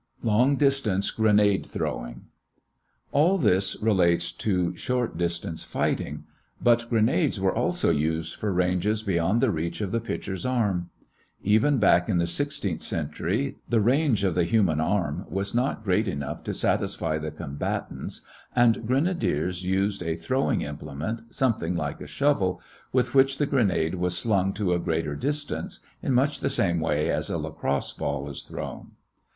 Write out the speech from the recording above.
LONG DISTANCE GRENADE THROWING All this relates to short distance fighting, but grenades were also used for ranges beyond the reach of the pitcher's arm. Even back in the sixteenth century, the range of the human arm was not great enough to satisfy the combatants and grenadiers used a throwing implement, something like a shovel, with which the grenade was slung to a greater distance, in much the same way as a lacrosse ball is thrown.